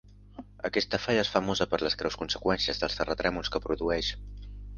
Aquesta falla és famosa per les greus conseqüències dels terratrèmols que produeix.